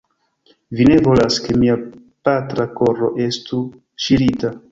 Vi ne volas, ke mia patra koro estu ŝirita.